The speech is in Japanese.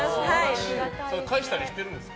返したりしてるんですか？